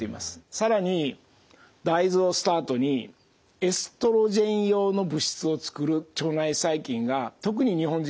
更に大豆をスタートにエストロゲン様の物質を作る腸内細菌が特に日本人に多いんですね。